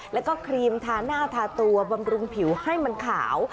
แล้วก็ครีมทาหน้าทาตัวบำรุงผิวให้มันขาว